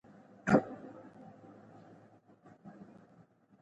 سیاسي سیالۍ باید سالمه وي